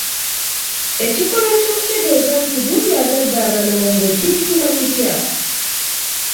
Ekikolwa ky'okutegeeza nti gundi azadde abalongo kiyitibwa kitya?